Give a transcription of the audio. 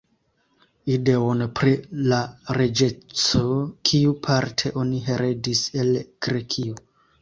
Ideon, pri la reĝeco, kiu, parte, oni heredis el Grekio.